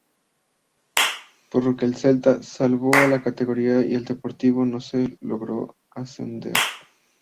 Por lo que el Celta salvó la categoría y el Deportivo no logró ascender.